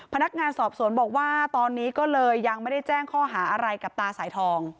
พนักงานสอบสวนบอกว่าตอนนี้ก็เลยยังไม่ได้แจ้งข้อหาอะไรกับตาสายทอง